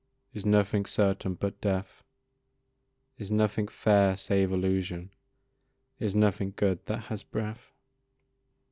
Is nothing certain but death? Is nothing fair save illusion? Is nothing good that has breath?